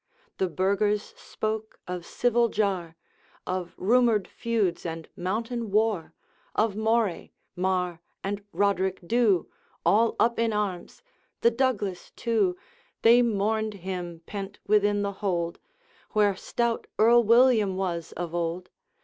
The burghers spoke of civil jar, Of rumoured feuds and mountain war, Of Moray, Mar, and Roderick Dhu, All up in arms; the Douglas too, They mourned him pent within the hold, 'Where stout Earl William was of old.'